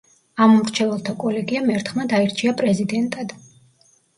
ამომრჩეველთა კოლეგიამ ერთხმად აირჩია პრეზიდენტად.